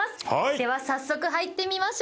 では早速入ってみましょう。